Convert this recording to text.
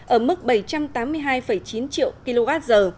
ở mức bảy trăm tám mươi hai chín triệu kwh